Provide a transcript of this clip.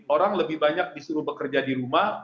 orang lebih banyak disuruh bekerja di rumah